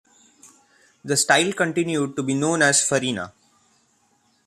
The style continued to be known as "Farina".